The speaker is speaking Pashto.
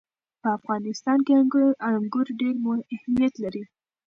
په افغانستان کې انګور ډېر اهمیت لري.